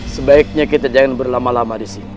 sebaiknya kita jangan berlama lama disini